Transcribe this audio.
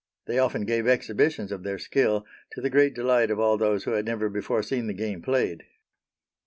They often gave exhibitions of their skill, to the great delight of all those who had never before seen the game played.